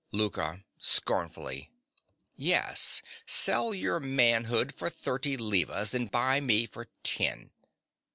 LOUKA. (scornfully). Yes: sell your manhood for thirty levas, and buy me for ten!